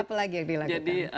apalagi yang dilakukan jadi